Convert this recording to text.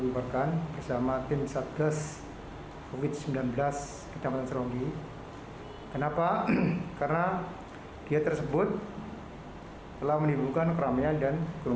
peristiwa ini terjadi rabu lalu